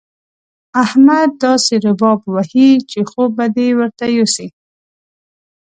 احمد داسې رباب وهي چې خوب به دې ورته يوسي.